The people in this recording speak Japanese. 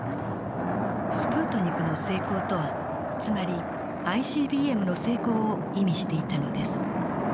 スプートニクの成功とはつまりＩＣＢＭの成功を意味していたのです。